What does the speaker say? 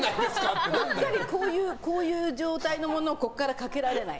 特に、こういう状態のものをここからかけられない。